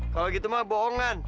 kalau gitu mah bohongan